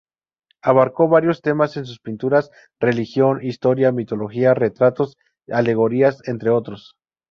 Abarcó varios temas en sus pinturas: religión, historia, mitología, retratos y alegorías, entre otros.